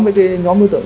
với cái nhóm đối tượng